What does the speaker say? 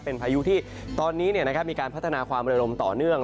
เป็นพายุที่ตอนนี้มีการพัฒนาความระลมต่อเนื่อง